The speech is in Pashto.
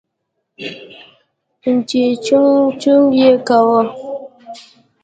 چې چونگ چونگ يې کاوه.